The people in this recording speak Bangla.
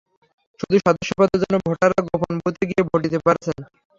শুধু সদস্য পদের জন্য ভোটাররা গোপন বুথে গিয়ে ভোট দিতে পারছেন।